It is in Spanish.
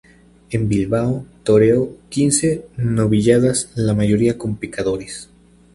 En Bilbao toreó quince novilladas la mayoría con picadores.